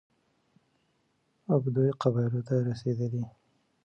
او بدوي قبايلو ته رسېدلى،